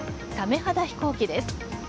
鮫肌飛行機です。